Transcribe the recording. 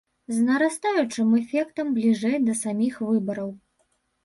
З нарастаючым эфектам бліжэй да саміх выбараў.